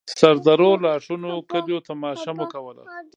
سردرو، لاښونو، کليو تماشه مو کوله.